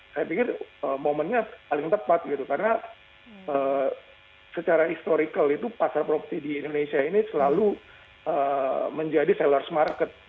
saya pikir momennya paling tepat gitu karena secara historical itu pasar properti di indonesia ini selalu menjadi sellers market